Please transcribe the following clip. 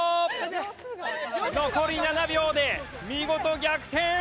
残り７秒で見事逆転！